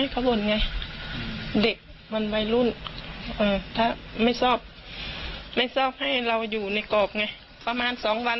ค่ะ